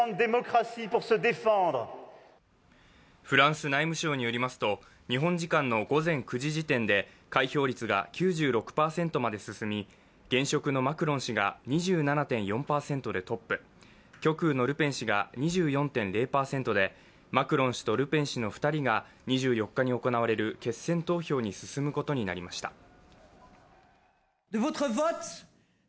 フランス内務省によりますと日本時間の午前９時時点で開票率が９６％まで進み、現職のマクロン氏が２７．４％でトップ、極右のルペン氏が２４．０％でマクロン氏とルペン氏の２人が２４日に行われる決選投票に進むことになりました。